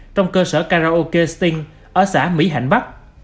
trong cơ sở karaoke sting ở xã mỹ hạnh bắc